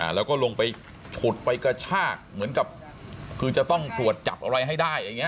แล้วก็ลงไปฉุดไปกระชากเหมือนกับคือจะต้องตรวจจับอะไรให้ได้อย่างนี้